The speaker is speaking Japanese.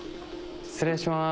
失礼します。